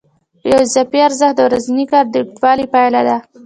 یو اضافي ارزښت د ورځني کار د اوږدوالي پایله ده